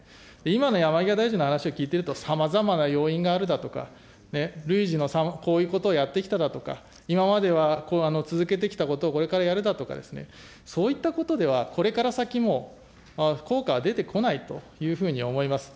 今の山際大臣の話を聞いてると、さまざまな要因があるだとか、累次のこういうことをやってきただとか、今までは続けてきたことをこれからやるだとか、そういったことでは、これから先も効果は出てこないというふうに思います。